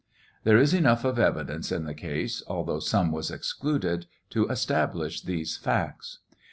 There is enough of evidence in the case, although some wa excluded, to establish these facts.